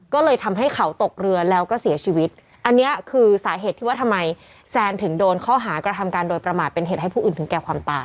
ก็เลยทำให้เขาตกเรือแล้วก็เสียชีวิตอันเนี้ยคือสาเหตุที่ว่าทำไมแซนถึงโดนข้อหากระทำการโดยประมาทเป็นเหตุให้ผู้อื่นถึงแก่ความตาย